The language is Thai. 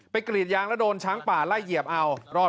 กรีดยางแล้วโดนช้างป่าไล่เหยียบเอารอด